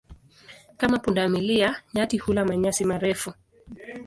Kama punda milia, nyati hula manyasi marefu.